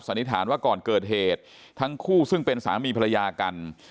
นิษฐานว่าก่อนเกิดเหตุทั้งคู่ซึ่งเป็นสามีภรรยากัน